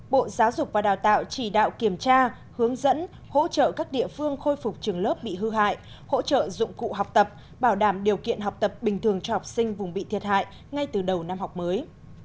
bộ giáo dục và đào tạo chỉ đạo kiểm tra hướng dẫn hỗ trợ các địa phương khôi phục trường lớp bị hư hại hỗ trợ dụng cụ học tập bảo đảm điều kiện học tập bình thường cho học sinh vùng bị thiệt hại ngay từ đầu năm học mới